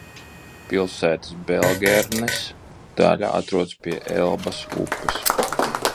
Pilsētas Belgernes daļa atrodas pie Elbas upes.